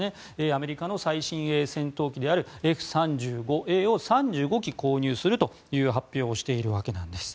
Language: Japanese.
アメリカの最新鋭戦闘機であるＦ３５Ａを３５機購入するという発表をしているわけです。